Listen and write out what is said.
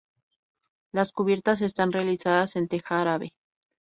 Las cubiertas están realizadas en teja árabe.